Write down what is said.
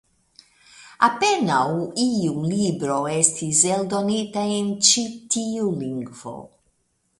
Apenaŭ iu libro estis eldonita en ĉi tiu lingvo.